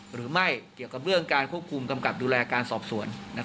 หรือไม่เกี่ยวกับเรื่องการควบคุมกำกับดูแลการสอบสวน